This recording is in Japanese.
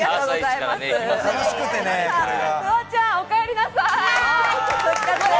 フワちゃん、おかえりなさい。